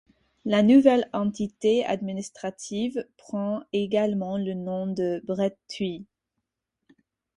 La nouvelle entité administrative prend également le nom de Breteuil.